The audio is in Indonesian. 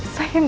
saya gak jujur